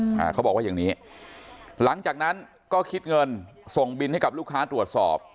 อ่าเขาบอกว่าอย่างนี้หลังจากนั้นก็คิดเงินส่งบินให้กับลูกค้าตรวจสอบ